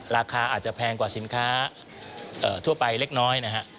ราคาอาจจะแพงกว่าสินค้าทั่วไปเล็กน้อยนะฮะ